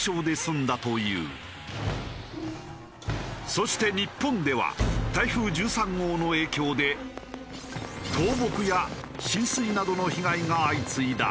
そして日本では台風１３号の影響で倒木や浸水などの被害が相次いだ。